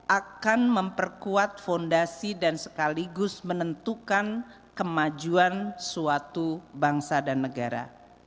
akan memperkuat fondasi dan sekaligus menentukan kemajuan suatu bangsa dan negara